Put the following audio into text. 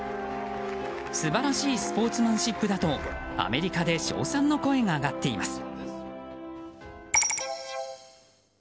素晴らしいスポーツマンシップだとアメリカで称賛の声が上がっています。